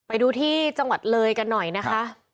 ไปดูที่จังหวัดเลยกันหน่อยนะคะ